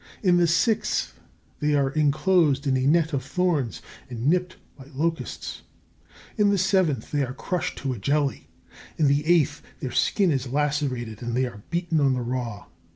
In the sixth, they are enclosed in a net of thorns and nipped by locusts. In the seventh, they are crushed to a jelly. In the eighth, their skin is lacerated and they are beaten on the raw.